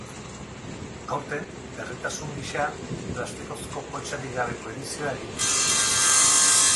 Aurten, berritasun gisa, plastikozko poltsarik gabeko edizioa egin dute.